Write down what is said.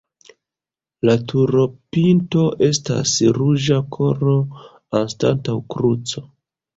La turopinto estas ruĝa koro anstataŭ kruco.